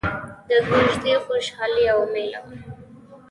د کوژدې خوشحالي او ميله وه.